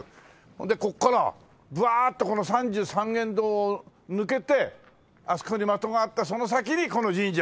でここからブワーッとこの三十三間堂を抜けてあそこに的があってその先にこの神社があったという。